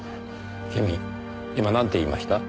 君今なんて言いました？